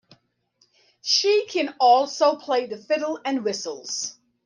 She can also play the fiddle and whistles.